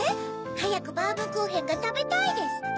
「はやくバームクーヘンがたべたい」ですって？